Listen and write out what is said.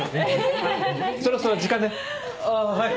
そろそろ時間だよ。